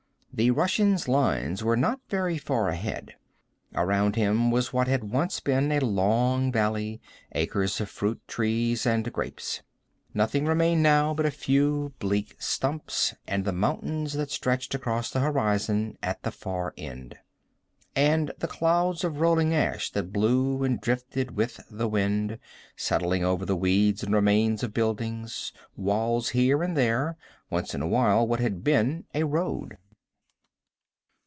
The Russians' lines were not very far ahead. Around him was what had once been a long valley, acres of fruit trees and grapes. Nothing remained now but a few bleak stumps and the mountains that stretched across the horizon at the far end. And the clouds of rolling ash that blew and drifted with the wind, settling over the weeds and remains of buildings, walls here and there, once in awhile what had been a road.